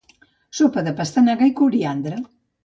Sopa de pastanaga i coriandre.